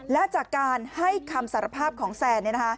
และจากการให้คำสารภาพของแซน